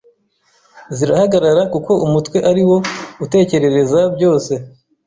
zirahagarara kuko umutwe ari wo utekerereza byose